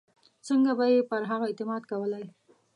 څنګه به یې پر هغه اعتماد کولای.